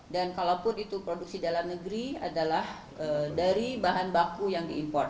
dan kalaupun itu produksi dalam negeri adalah dari bahan baku yang diimpor